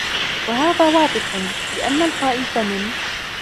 وَهَذَا وَاضِحٌ ؛ لِأَنَّ الْخَائِفَ مِنْ